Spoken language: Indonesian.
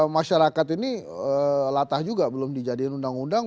masyarakat ini latah juga belum dijadiin undang undang